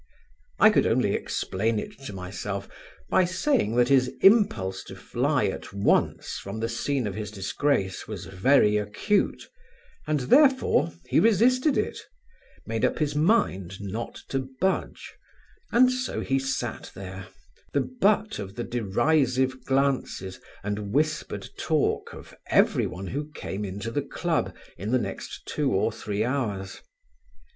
I could only explain it to myself by saying that his impulse to fly at once from the scene of his disgrace was very acute, and therefore he resisted it, made up his mind not to budge, and so he sat there the butt of the derisive glances and whispered talk of everyone who came into the club in the next two or three hours.